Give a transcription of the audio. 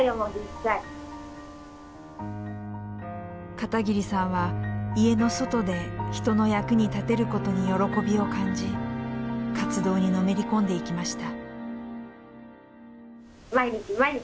片桐さんは家の外で人の役に立てることに喜びを感じ活動にのめり込んでいきました。